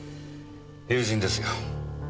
友人ですよ。